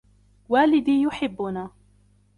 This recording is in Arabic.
والدي يحبنا